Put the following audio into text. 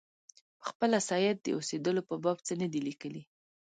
پخپله سید د اوسېدلو په باب څه نه دي لیکلي.